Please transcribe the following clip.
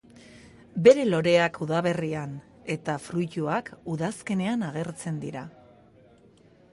Bere loreak udaberrian eta fruituak udazkenean agertzen dira.